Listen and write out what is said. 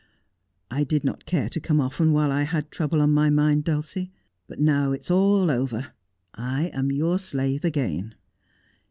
' I did not care to come often while I had trouble on my mind, Dulcie. But now it is all over, I am your slave again.'